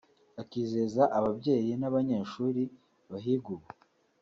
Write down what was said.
Akizeza ababyeyi n’ababyeshuri bahiga ubu